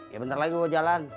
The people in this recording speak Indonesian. ya bentar lagi mau jalan